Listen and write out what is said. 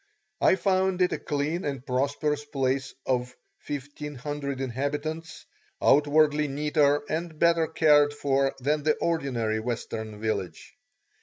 I found it a clean and prosperous place of 1,500 inhabitants, outwardly neater and better cared for than the ordinary Western village.